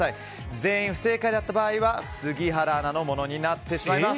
全員不正解だった場合は杉原アナのものになってしまいます。